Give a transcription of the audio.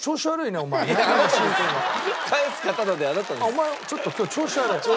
お前ちょっと今日調子悪い。